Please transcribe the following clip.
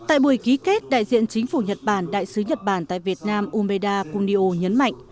tại buổi ký kết đại diện chính phủ nhật bản đại sứ nhật bản tại việt nam umeda kunio nhấn mạnh